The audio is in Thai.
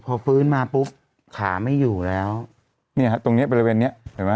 พอฟื้นมาปุ๊บขามันอยู่ตรงนี้บริเวณนี้